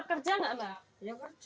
tetap kerja nggak mbah